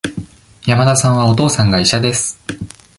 山田さんは、お父さんが医者です。